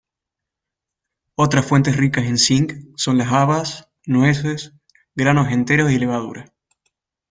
Otras fuentes ricas en zinc son las habas, nueces, granos enteros y levadura.